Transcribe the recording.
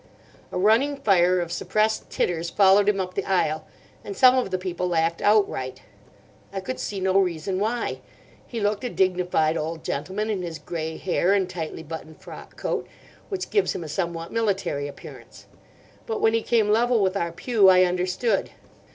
A running fire of suppressed titters followed him up the aisle, and some of the people laughed outright. I could see no reason why. He looked a dignified old gentleman in his grey hair and tightly buttoned frock coat, which gives him a somewhat military appearance. But when he came level with our pew I understood.